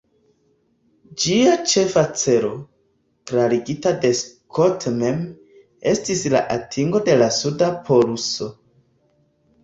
Ĝia ĉefa celo, klarigita de Scott mem, estis la atingo de la suda poluso.